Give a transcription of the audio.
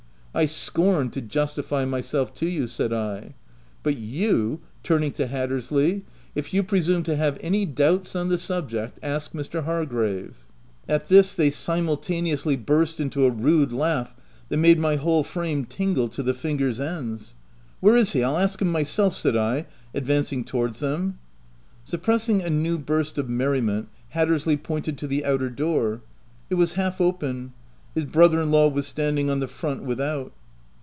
u I scorn to justify myself to you !'* said I. " But you/' turning to Hattersley, 6i if you presume to have any doubts on the subject, ask Mr. Hargrove." At this, they simultaneously burst into a rude laugh that made my whole frame tingle to the finger's ends. " Where is he? I'll ask him myself!" said I, advancing towards them. Suppressing anew burst of merriment, Hat tersley pointed to the outer door. It was half open. His brother in law was standing on the front without.